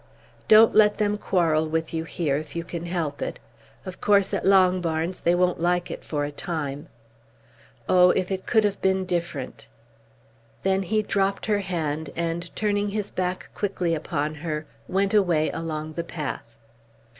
Don't let them quarrel with you here if you can help it. Of course at Longbarns they won't like it for a time. Oh, if it could have been different!" Then he dropped her hand, and turning his back quickly upon her, went away along the path.